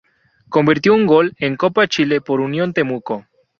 Convirtió un gol en Copa Chile por Unión Temuco.